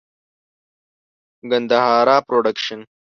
ګندهارا پروډکشن.